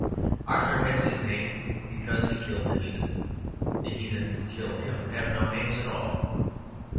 Arthur has his name because he killed the heathen; the heathen who killed him have no names at all.